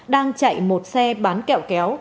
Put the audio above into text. đang chạy một xe bán kẹo kéo